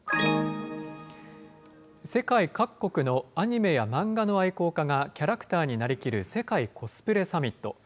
世界各国のアニメや漫画の愛好家がキャラクターになりきる、世界コスプレサミット。